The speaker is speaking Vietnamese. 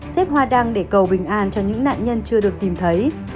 xếp hoa đăng để cầu bình an cho những nạn nhân chưa được tìm thấy